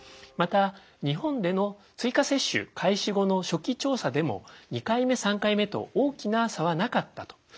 また日本での追加接種開始後の初期調査でも２回目３回目と大きな差はなかったと。